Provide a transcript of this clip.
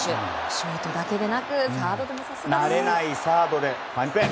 ショートだけでなくサードでもさすがです！